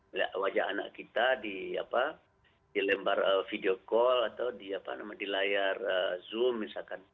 melihat wajah anak kita di lembar video call atau di layar zoom misalkan